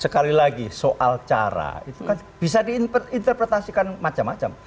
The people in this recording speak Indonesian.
sekali lagi soal cara itu kan bisa diinterpretasikan macam macam